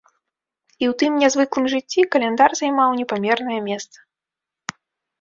І ў тым нязвыклым жыцці каляндар займаў непамернае месца.